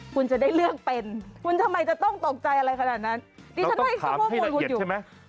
คุณจะได้เลือกเป็นคุณทำไมจะต้องตกใจอะไรขนาดนั้นต้องถามให้ละเอียดใช่ไหม